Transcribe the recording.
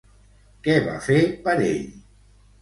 Què va fer per ell?